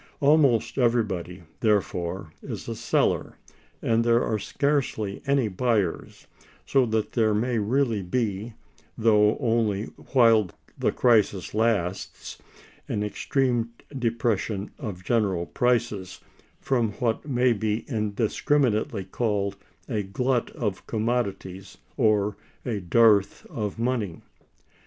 Almost everybody, therefore, is a seller, and there are scarcely any buyers: so that there may really be, though only while the crisis lasts, an extreme depression of general prices, from what may be indiscriminately called a glut of commodities or a dearth of money.